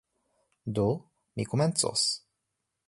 Do, mi komencos.